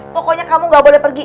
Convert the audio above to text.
pokoknya kamu gak boleh pergi